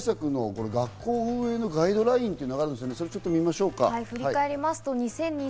学校運営のガイドラインというのがあるので、それを見ましょうか。